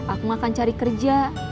aku akan cari kerja